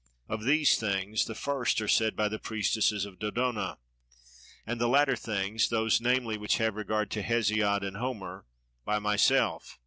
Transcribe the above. Of these things the first are said by the priestesses of Dodona, and the latter things, those namely which have regard to Hesiod and Homer, by myself.